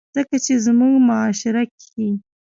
ځکه چې زمونږ معاشره کښې